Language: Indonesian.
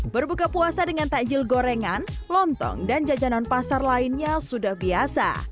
berbuka puasa dengan takjil gorengan lontong dan jajanan pasar lainnya sudah biasa